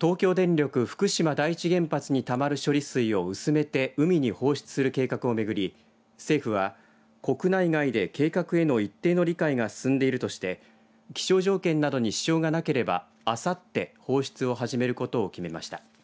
東京電力福島第一原発にたまる処理水を薄めて海に放出する計画をめぐり政府は国内外で計画への一定の理解が進んでいるとして気象条件などに支障がなければあさって放出を始めることを決めました。